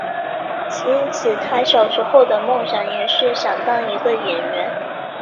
因此他小时候的梦想也是想当一个演员。